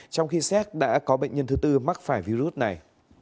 trong khi xét đã có bệnh nhân thứ tư mắc phải virus này